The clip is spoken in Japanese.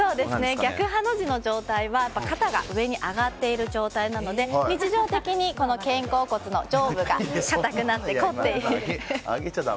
逆ハの字の状態は肩が上に上がっている状態なので日常的に肩甲骨の上部が硬くなって凝っている。